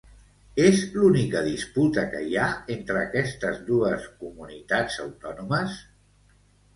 És l'única disputa que hi ha entre aquestes dues comunitats autònomes?